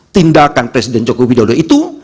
tindakan presiden jokowi dua puluh dua itu